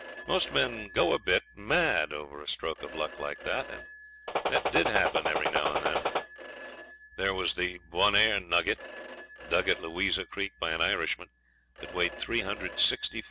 Most men would go a bit mad over a stroke of luck like that, and they did happen now and then. There was the Boennair nugget, dug at Louisa Creek by an Irishman, that weighed 364 oz.